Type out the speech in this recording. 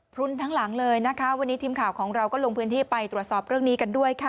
รุนทั้งหลังเลยนะคะวันนี้ทีมข่าวของเราก็ลงพื้นที่ไปตรวจสอบเรื่องนี้กันด้วยค่ะ